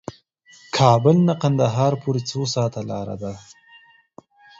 کابل نه قندهار پورې څو ساعته لار ده؟